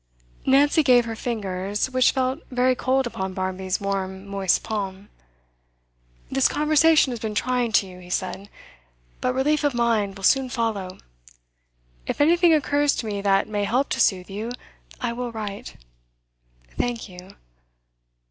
Nancy gave her fingers, which felt very cold upon Barmby's warm, moist palm. 'This conversation has been trying to you,' he said, 'but relief of mind will soon follow. If anything occurs to me that may help to soothe you, I will write.' 'Thank you.